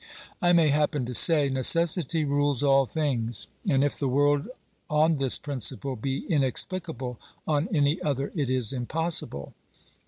I may happen to say : Necessity rules all things, and OBERMANN 343 if the world on this principle be inexplicable, on any other it is impossible.